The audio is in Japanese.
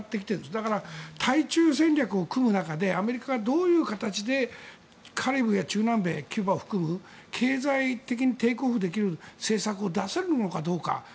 だから、対中戦略を組む中でアメリカがどういう形でカリブや中南米、キューバを含む経済的にテイクオフできる政策を出せるのかどうか。